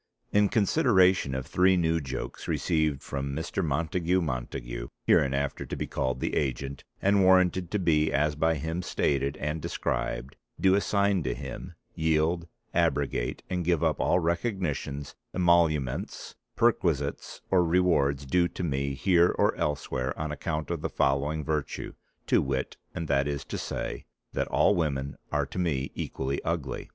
in consideration of three new jokes received from Mr. Montagu Montague, hereinafter to be called the agent, and warranted to be as by him stated and described, do assign to him, yield, abrogate and give up all recognitions, emoluments, perquisites or rewards due to me Here or Elsewhere on account of the following virtue, to wit and that is to say ..... that all women are to me equally ugly."